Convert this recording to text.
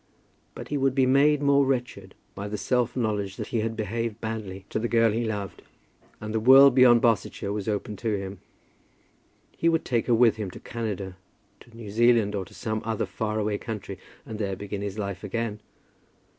But he would be made more wretched by the self knowledge that he had behaved badly to the girl he loved; and the world beyond Barsetshire was open to him. He would take her with him to Canada, to New Zealand, or to some other far away country, and there begin his life again.